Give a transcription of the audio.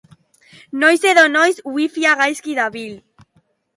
Noiz edo noiz wifia gaizki dabil.